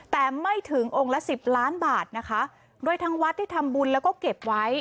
แต่ไม่ถึงองค์ละสิบล้านบาทนะคะโดยทางวัดได้ทำบุญแล้วก็เก็บไว้